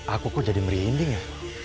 aku kok jadi merinding ya